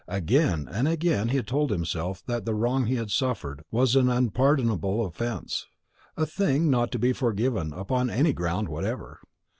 Again and again he had told himself that the wrong he had suffered was an unpardonable offence, a thing not to be forgiven upon any ground whatever.